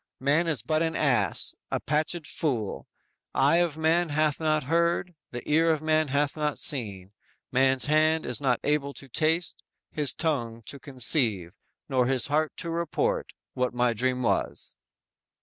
Man is but an ass, a patched fool. Eye of man hath not heard, the ear of man hath not seen, man's hand is not able to taste, his tongue to conceive, nor his heart to report, what my dream was!"